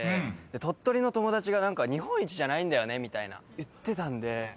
鳥取の友達が何か「日本一じゃないんだよね」みたいな言ってたんで。